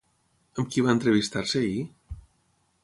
Amb qui va entrevistar-se ahir?